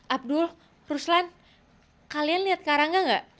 abdul ruslan kalian lihat karangan nggak